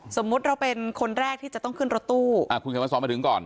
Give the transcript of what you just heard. สมมุติเราเป็นคนแรกที่จะต้องขึ้นรถตู้อ่าคุณเขียนมาสอนมาถึงก่อน